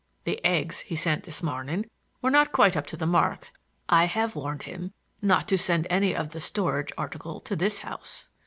The eggs he sent this morning were not quite up to the mark. I have warned him not to send any of the storage article to this house."